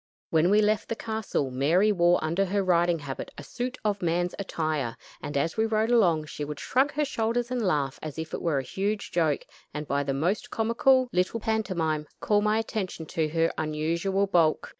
When we left the castle, Mary wore under her riding habit a suit of man's attire, and, as we rode along, she would shrug her shoulders and laugh as if it were a huge joke; and by the most comical little pantomime, call my attention to her unusual bulk.